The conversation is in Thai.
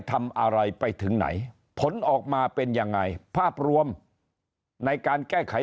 ทำอะไรไปถึงไหนผลออกมาเป็นยังไงภาพรวมในการแก้ไข